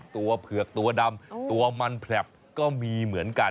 เผือกตัวดำตัวมันแผลบก็มีเหมือนกัน